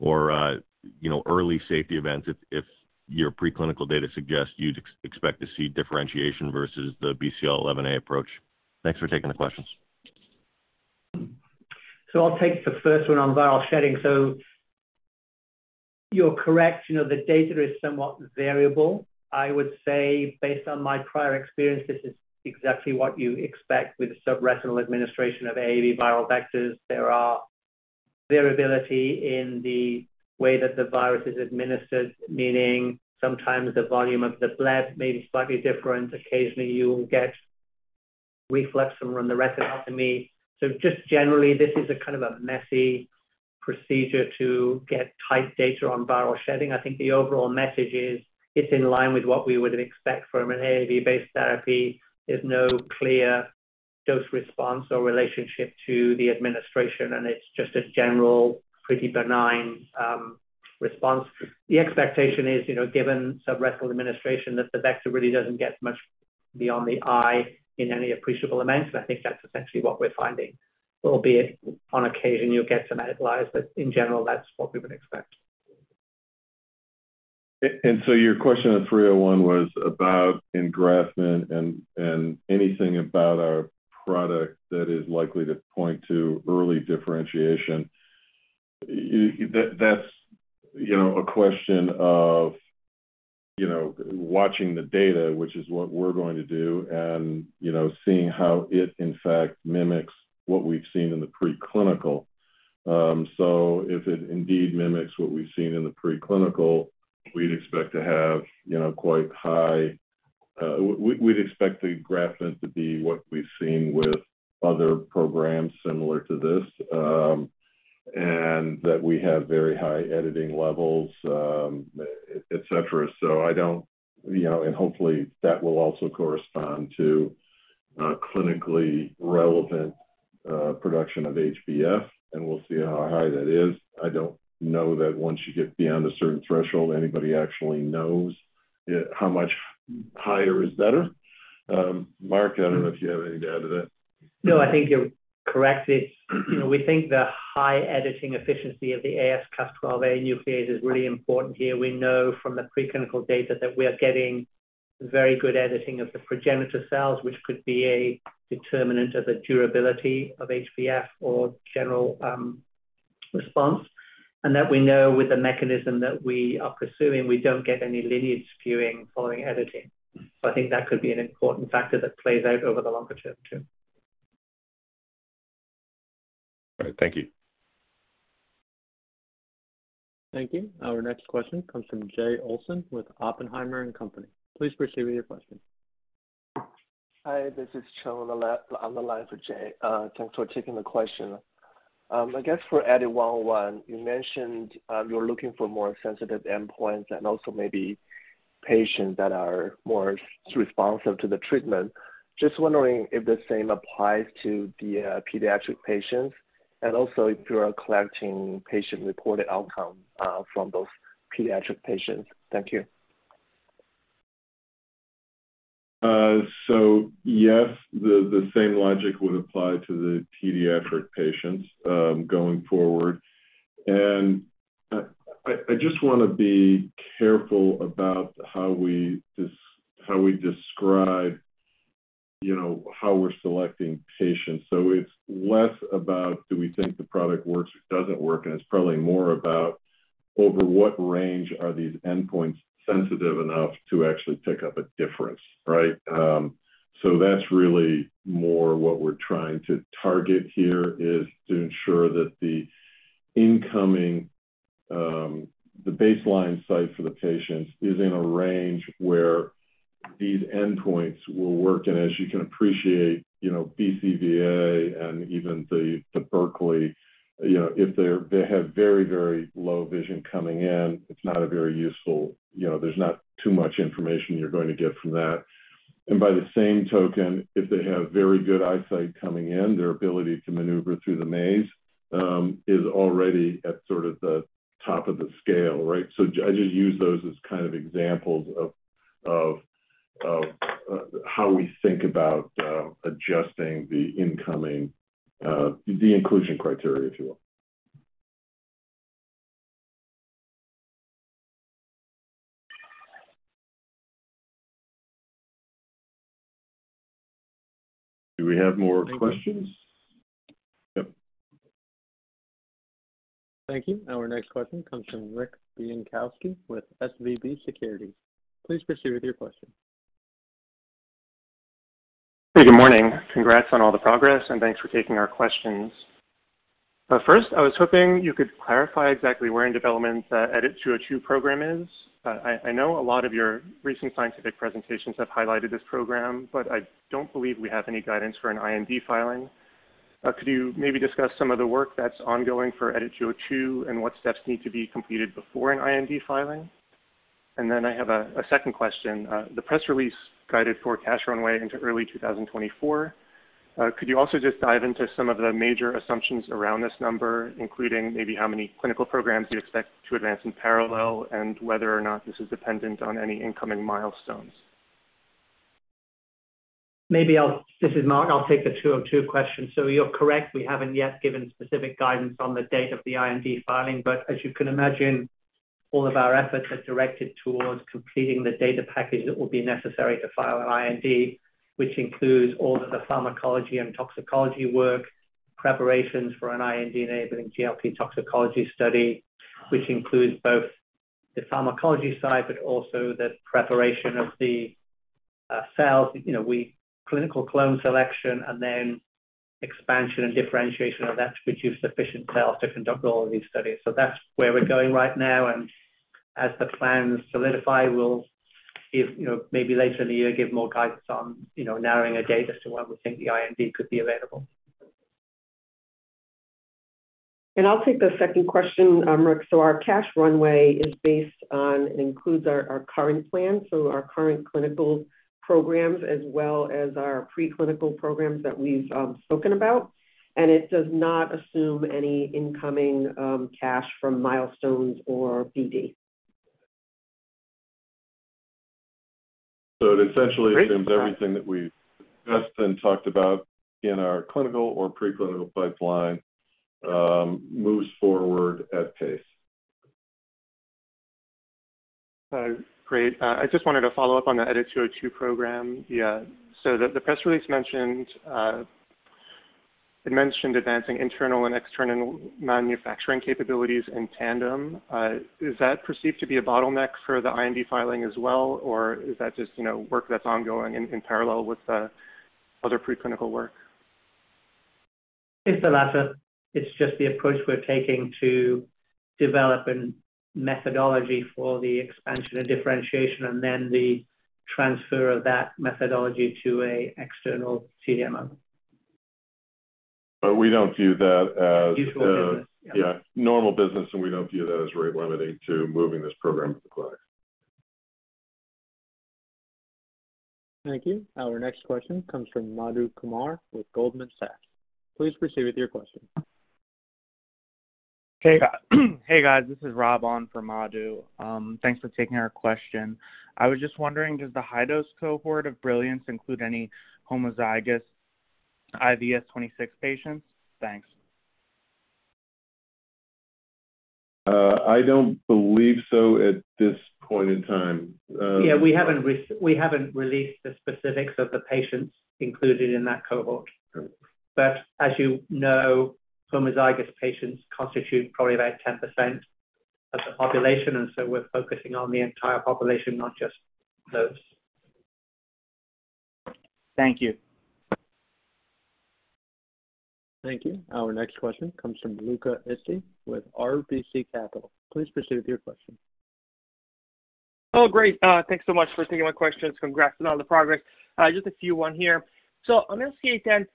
you know, early safety events if your preclinical data suggests you'd expect to see differentiation versus the BCL11A approach. Thanks for taking the questions. I'll take the first one on Viral Shedding. You're correct. You know, the data is somewhat variable. I would say based on my prior experience; this is exactly what you expect with subretinal administration of AAV Viral Vectors. There are variability in the way that the virus is administered, meaning sometimes the volume of the bleb may be slightly different. Occasionally, you will get reflex from the retinectomy. Just generally, this is a kind of a messy procedure to get tight data on Viral Shedding. I think the overall message is it's in line with what we would expect from an AAV-based therapy. There's no clear dose response or relationship to the administration, and it's just a general pretty benign response. The expectation is, you know, given subretinal administration that the Vector really doesn't get much beyond the eye in any appreciable amounts, and I think that's essentially what we're finding. Albeit on occasion, you'll get some outliers, but in general, that's what we would expect. Your question on EDIT-301 was about engraftment and anything about our product that is likely to point to early differentiation. That's, you know, a question of, you know, watching the data, which is what we're going to do and, you know, seeing how it in fact mimics what we've seen in the preclinical. If it indeed mimics what we've seen in the preclinical, we'd expect to have, you know, quite high. We'd expect the engraftment to be what we've seen with other programs similar to this. That we have very high editing levels, et cetera. I don't, you know. Hopefully that will also correspond to, clinically relevant, production of HbF, and we'll see how high that is. I don't know that once you get beyond a certain threshold, anybody actually knows how much higher is better. Mark, I don't know if you have anything to add to that. No, I think you're correct. It's, you know, we think the high editing efficiency of the AsCas12a Nuclease is really important here. We know from the preclinical data that we are getting very good editing of the progenitor cells, which could be a determinant of the durability of HbF or general response, and that we know with the mechanism that we are pursuing, we don't get any lineage skewing following editing. I think that could be an important factor that plays out over the longer term too. All right. Thank you. Thank you. Our next question comes from Jay Olson with Oppenheimer and Company. Please proceed with your question. Hi, this is Chung, on the line for Jay. Thanks for taking the question. I guess for EDIT-101, you mentioned, you're looking for more sensitive endpoints and also maybe patients that are more responsive to the treatment. Just wondering if the same applies to the pediatric patients and also if you are collecting patient-reported outcome, from those pediatric patients. Thank you. Yes, the same logic would apply to the pediatric patients going forward. I just wanna be careful about how we describe, you know, how we're selecting patients. It's less about do we think the product works or doesn't work, and it's probably more about over what range are these endpoints sensitive enough to actually pick up a difference, right? That's really more what we're trying to target here is to ensure that the incoming, the baseline site for the patients is in a range where these endpoints will work. As you can appreciate, you know, BCVA and even the Berkeley, you know, if they have very, very low vision coming in, it's not a very useful, you know, there's not too much information you're going to get from that. By the same token, if they have very good eyesight coming in, their ability to maneuver through the maze is already at sort of the top of the scale, right? I just use those as kind of examples of how we think about adjusting the incoming, the inclusion criteria, if you will. Do we have more questions? Yep. Thank you. Our next question comes from Rick Bienkowski with SVB Securities. Please proceed with your question. Hey, good morning. Congrats on all the progress, and thanks for taking our questions. First, I was hoping you could clarify exactly where in development the EDIT-202 Program is. I know a lot of your recent scientific presentations have highlighted this program, but I don't believe we have any guidance for an IND filing. Could you maybe discuss some of the work that's ongoing for EDIT-202 and what steps need to be completed before an IND filing? I have a second question. The press release guided for cash runway into early 2024. Could you also just dive into some of the major assumptions around this number, including maybe how many clinical programs you expect to advance in parallel and whether or not this is dependent on any incoming milestones? This is Mark. I'll take the EDIT-202 questions. You're correct. We haven't yet given specific guidance on the date of the IND filing. As you can imagine, all of our efforts are directed towards completing the data package that will be necessary to file an IND, which includes all of the pharmacology and toxicology work, preparations for an IND-Enabling GLP Toxicology Study, which includes both the pharmacology side but also the preparation of the cells. You know, clinical clone selection and then expansion and differentiation of that to produce sufficient cells to conduct all of these studies. That's where we're going right now, and as the plans solidify, we'll give, you know, maybe later in the year, give more guidance on, you know, narrowing a date as to when we think the IND could be available. I'll take the second question, Rick. Our cash runway is based on and includes our current plan, so our current clinical programs as well as our preclinical programs that we've spoken about. It does not assume any incoming cash from milestones or BD. It essentially assumes everything that we've tested and talked about in our clinical or preclinical pipeline moves forward at pace. Great. I just wanted to follow up on the EDIT-202 Program. The press release mentioned advancing internal and external manufacturing capabilities in tandem. Is that perceived to be a bottleneck for the IND filing as well, or is that just, you know, work that's ongoing in parallel with the other preclinical work? It's the latter. It's just the approach we're taking to develop a methodology for the expansion and differentiation and then the transfer of that methodology to an external CDMO. We don't view that as. Useful business, yeah. Yeah, normal business, and we don't view that as rate-limiting to moving this program to the clinic. Thank you. Our next question comes from Madhu Kumar with Goldman Sachs. Please proceed with your question. Hey guys, this is Rob on for Madhu Kumar. Thanks for taking our question. I was just wondering, does the High-Dose Cohort of BRILLIANCE include any Homozygous IVS 26 patients? Thanks. I don't believe so at this point in time. We haven't released the specifics of the patients included in that cohort. Okay. as you know, Homozygous patients constitute probably about 10% of the population, and so we're focusing on the entire population, not just those. Thank you. Thank you. Our next question comes from Luca Issi with RBC Capital. Please proceed with your question. Oh, great. Thanks so much for taking my questions. Congrats on all the progress. Just a few, one here. On LCA10,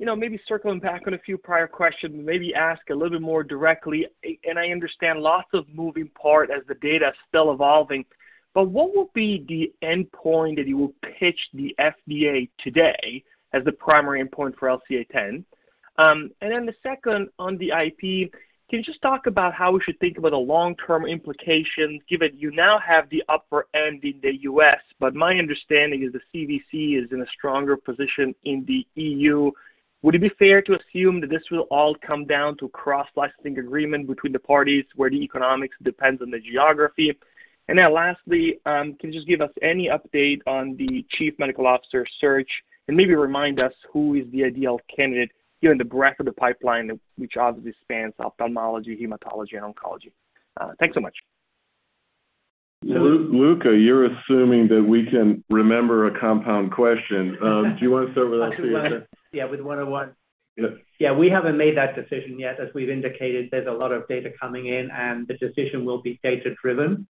you know, maybe circling back on a few prior questions, maybe ask a little bit more directly, and I understand lots of moving parts as the data is still evolving, but what will be the endpoint that you will pitch the FDA today as the primary endpoint for LCA10? And then the second on the IP, can you just talk about how we should think about the long-term implications given you now have the upper hand in the U.S., but my understanding is the CVC is in a stronger position in the E.U. Would it be fair to assume that this will all come down to cross-licensing agreement between the parties where the economics depends on the geography? Lastly, can you just give us any update on the Chief Medical Officer search and maybe remind us who is the ideal candidate given the breadth of the pipeline, which obviously spans ophthalmology, hematology, and oncology? Thanks so much. Luca, you're assuming that we can remember a compound question. Do you wanna start with that, Mark Shearman? Yeah, with EDIT-101. Yeah. Yeah, we haven't made that decision yet. As we've indicated, there's a lot of data coming in, and the decision will be data-driven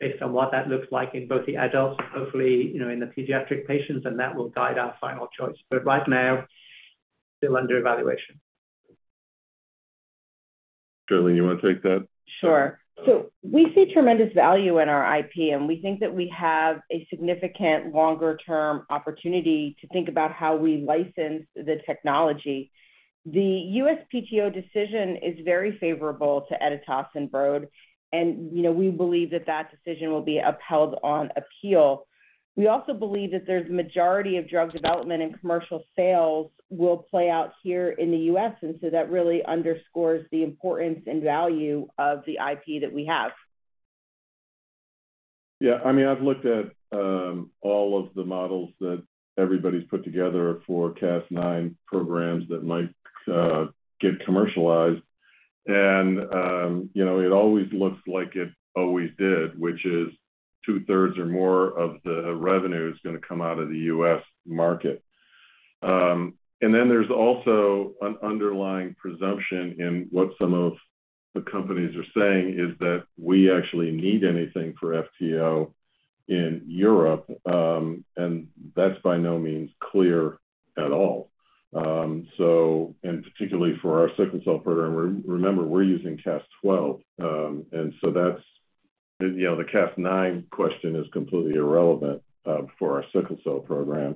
based on what that looks like in both the adults and hopefully, you know, in the pediatric patients, and that will guide our final choice. Right now, still under evaluation. Charlene, you wanna take that? Sure. We see tremendous value in our IP, and we think that we have a significant longer-term opportunity to think about how we license the technology. The USPTO decision is very favorable to Editas and Broad, and, you know, we believe that that decision will be upheld on appeal. We also believe that there's a majority of drug development and commercial sales will play out here in the U.S., and so that really underscores the importance and value of the IP that we have. Yeah. I mean, I've looked at all of the models that everybody's put together for Cas9 Programs that might get commercialized. You know, it always looks like it always did, which is 2/3 or more of the revenue is gonna come out of the U.S. market. Then there's also an underlying presumption in what some of the companies are saying is that we actually need anything for FTO in Europe, and that's by no means clear at all. Particularly for our Sickle Cell Program. Remember, we're using Cas12a, and so that's you know, the Cas9 question is completely irrelevant for our Sickle Cell Program.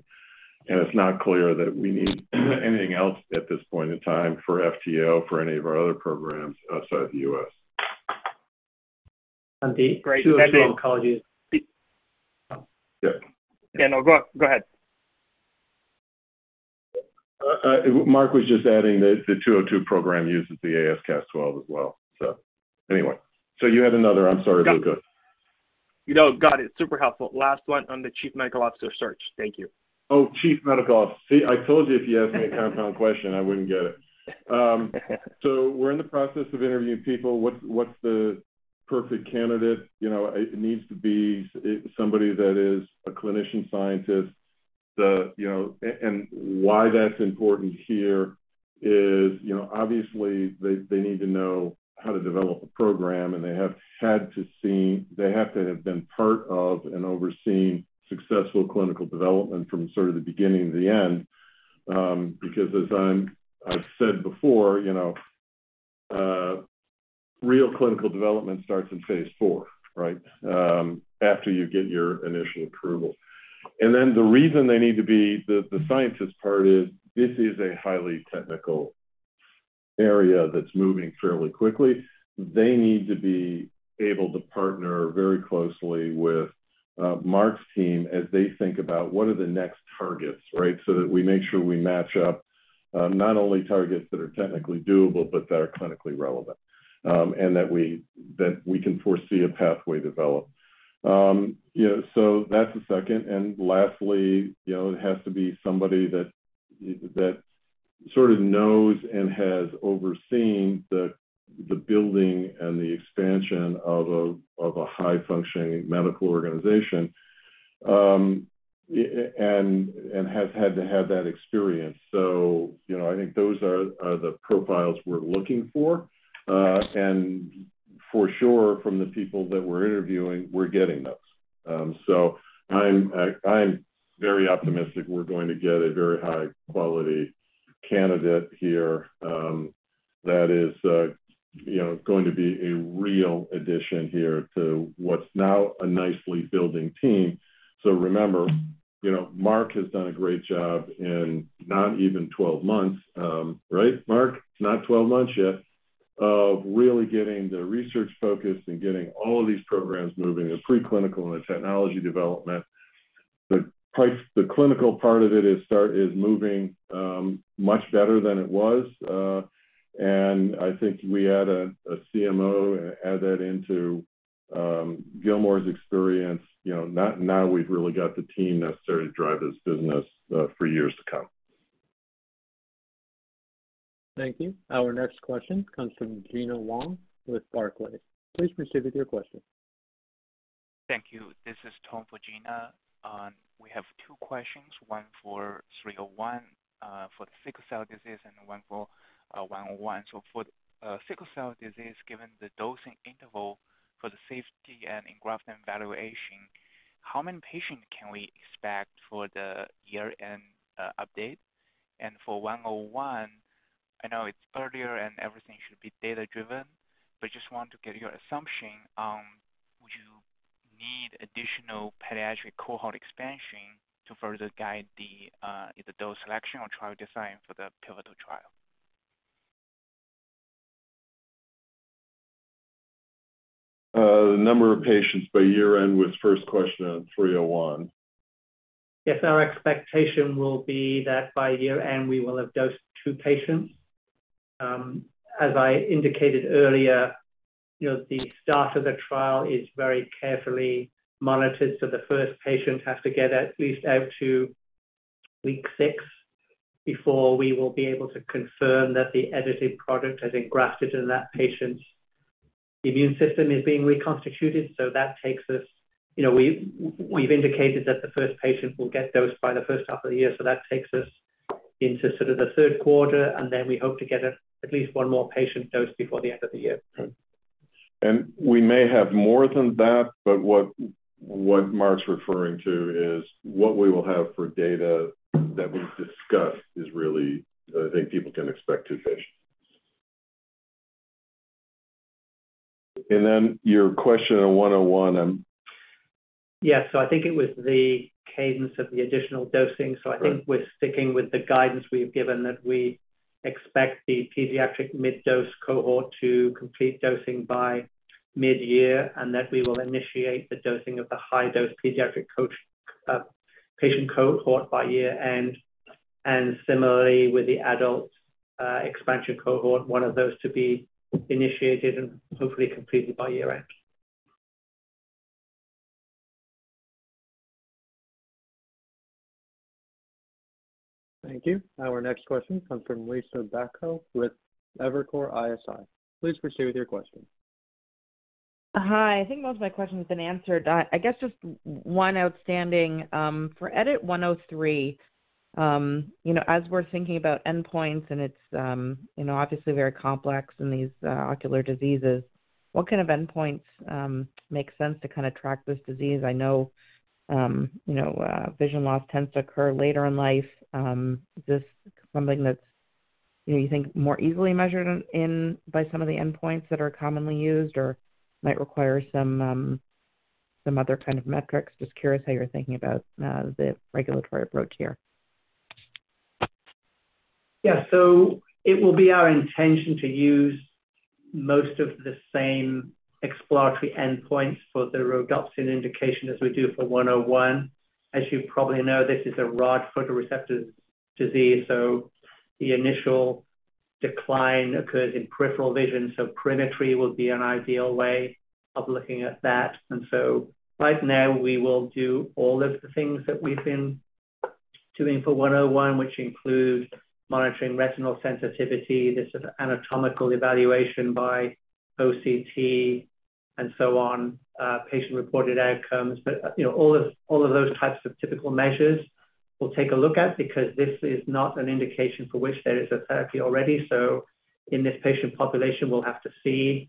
It's not clear that we need anything else at this point in time for FTO for any of our other programs outside the U.S. And the EDIT-202. Great. Thank you. Yeah. No, go ahead. Mark was just adding that the EDIT-202 program uses the AsCas12a as well. Anyway. You had another. I'm sorry, Luca. No. No got it. Super helpful. Last one on the Chief Medical Officer search. Thank you. Chief Medical Officer. See, I told you if you asked me a compound question, I wouldn't get it. We're in the process of interviewing people. What's the perfect candidate? You know, it needs to be somebody that is a clinician scientist. Why that's important here is, you know, obviously, they need to know how to develop a program, and they have to have been part of and overseen successful clinical development from sort of the beginning to the end. Because I've said before, you know, real clinical development starts in phase IV, right? After you get your initial approval. Then the reason they need to be the scientist part is this is a highly technical area that's moving fairly quickly. They need to be able to partner very closely with Mark's team as they think about what are the next targets, right? So that we make sure we match up, not only targets that are technically doable, but that are clinically relevant, and that we can foresee a pathway develop. Yeah, so that's the second. Lastly, you know, it has to be somebody that sort of knows and has overseen the building and the expansion of a high-functioning medical organization and has had to have that experience. You know, I think those are the profiles we're looking for. For sure, from the people that we're interviewing, we're getting those. I'm very optimistic we're going to get a very high-quality candidate here, that is, you know, going to be a real addition here to what's now a nicely building team. Remember, you know, Mark has done a great job in not even 12 months, right, Mark? It's not 12 months yet of really getting the research focused and getting all of these programs moving, the preclinical and the technology development. The clinical part of it is moving much better than it was. I think we add a CMO, add that into Gilmore's experience, you know, now we've really got the team necessary to drive this business for years to come. Thank you. Our next question comes from Gena Wang with Barclays. Please proceed with your question. Thank you. This is Tom for Gena. We have two questions, one for EDIT-301 for the Sickle Cell Disease and one for EDIT-101. For Sickle Cell Disease, given the dosing interval for the safety and engraftment evaluation, how many patients can we expect for the year-end update? For EDIT-101, I know it's earlier and everything should be data-driven, but just want to get your assumption on would you need additional pediatric cohort expansion to further guide the either dose selection or trial design for the pivotal trial? The number of patients by year-end was first question on EDIT-301. Yes, our expectation will be that by year-end, we will have dosed two patients. As I indicated earlier, you know, the start of the trial is very carefully monitored, so the first patient has to get at least out to week six before we will be able to confirm that the edited product has engrafted in that patient. The immune system is being reconstituted, so that takes us. You know, we've indicated that the first patient will get dosed by the first half of the year, so that takes us into sort of the third quarter, and then we hope to get at least one more patient dosed before the end of the year. We may have more than that, but what Mark's referring to is what we will have for data that we've discussed is really, I think people can expect two patients. Then your question on EDIT-101. Yes. I think it was the cadence of the additional dosing. Right. I think we're sticking with the guidance we've given that we expect the pediatric mid-dose cohort to complete dosing by mid-year and that we will initiate the dosing of the high-dose pediatric patient cohort by year-end. Similarly with the adult expansion cohort, one of those to be initiated and hopefully completed by year-end. Thank you. Our next question comes from Liisa Bayko with Evercore ISI. Please proceed with your question. Hi. I think most of my question's been answered. I guess just one outstanding, for EDIT-103, you know, as we're thinking about endpoints and it's, you know, obviously very complex in these ocular diseases, what kind of endpoints make sense to kinda track this disease? I know, you know, vision loss tends to occur later in life. Is this something that's, you know, you think more easily measured in, by some of the endpoints that are commonly used or might require some other kind of metrics? Just curious how you're thinking about the regulatory approach here. Yeah. It will be our intention to use most of the same exploratory endpoints for the rhodopsin indication as we do for EDIT-101. As you probably know, this is a rod photoreceptor disease, so the initial decline occurs in peripheral vision, so perimetry will be an ideal way of looking at that. right now, we will do all of the things that we've been doing for EDIT-101, which includes monitoring retinal sensitivity, this sort of anatomical evaluation by OCT and so on, patient-reported outcomes. you know, all of those types of typical measures we'll take a look at because this is not an indication for which there is a therapy already. in this patient population, we'll have to see,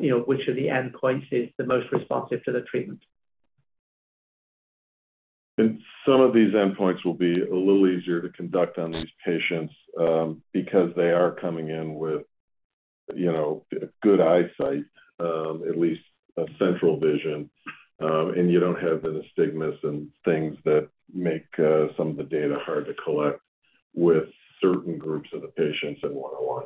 you know, which of the endpoints is the most responsive to the treatment. Some of these endpoints will be a little easier to conduct on these patients, because they are coming in with, you know, good eyesight, at least central vision. You don't have the nystagmus, things that make some of the data hard to collect with certain groups of the patients in EDIT-101.